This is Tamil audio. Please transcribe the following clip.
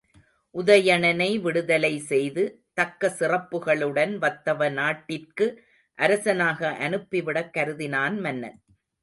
உதயணனை விடுதலை செய்து தக்க சிறப்புக்களுடன் வத்தவ நாட்டிற்கு அரசனாக அனுப்பிவிடக் கருதினான் மன்னன்.